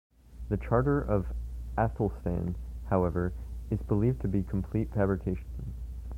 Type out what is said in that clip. The Charter of Athelstan, however, is believed to be complete fabrication.